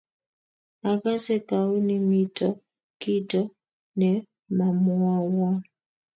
akase kouni mito kito ne mamwowon